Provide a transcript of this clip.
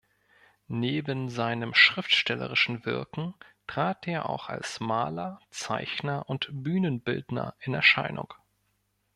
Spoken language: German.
Neben seinem schriftstellerischen Wirken trat er auch als Maler, Zeichner und Bühnenbildner in Erscheinung.